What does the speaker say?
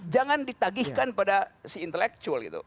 jangan ditagihkan pada si intelektual gitu